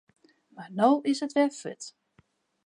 Mar no is it wer fuort.